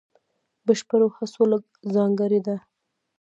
بشپړو هڅو له ځانګړې ده.